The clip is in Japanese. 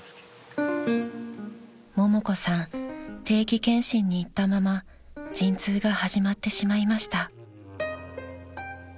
定期健診に行ったまま陣痛が始まってしまいました］